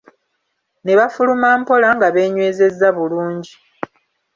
Ne bafuluma mpola nga beenywezezza bulungi.